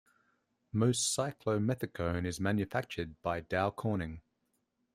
Most cyclomethicone is manufactured by Dow Corning.